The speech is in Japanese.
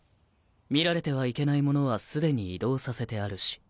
見られてはいけないものはすでに移動させてあるし。